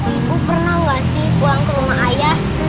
ibu pernah enggak sih pulang ke rumah ayah